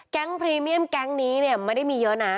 พรีเมียมแก๊งนี้เนี่ยไม่ได้มีเยอะนะ